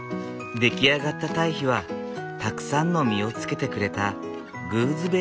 出来上がった堆肥はたくさんの実をつけてくれたグーズベリーの木へ。